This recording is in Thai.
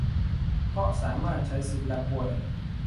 เพราะสามารถใช้สิทธิ์ลาป่วย